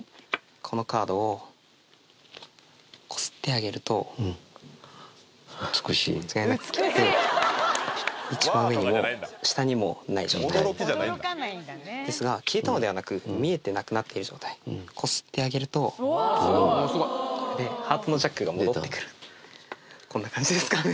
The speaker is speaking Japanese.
このカードをこすってあげると「美しい」一番上にも下にもない状態ですが消えたのではなく見えてなくなっている状態こすってあげるとこれでハートのジャックが戻ってくるこんな感じですかね